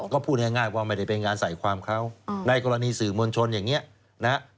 ก็พูดง่ายว่าไม่ได้เป็นงานใส่ความเขาในกรณีสื่อมวลชนอย่างนี้นะฮะ